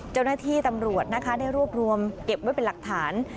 เจ้าหน้าที่ตำรวจนะคะได้รวบรวมเก็บไว้เป็นหลักฐาน